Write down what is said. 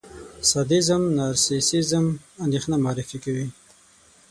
سادېزم، نارسېسېزم، اندېښنه معرفي کوي.